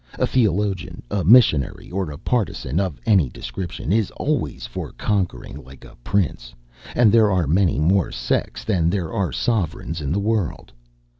A theologian, a missionary, or a partisan of any description, is always for conquering like a prince, and there are many more sects than there are sovereigns in the world.